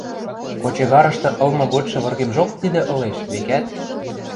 Кочегарышты ылмы годшы выргемжок тидӹ ылеш, векӓт.